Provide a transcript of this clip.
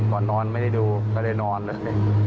นอนไม่ได้ดูก็เลยนอนเลย